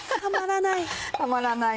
たまらない！